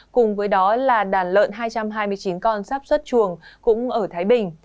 cùng với đó là đàn lợn hai trăm hai mươi chín con sắp xuất chuồng cũng ở thái bình